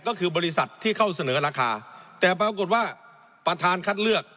ก็คือบริษัทที่เข้าเสนอราคาแต่ปรากฏว่าประธานคัดเลือก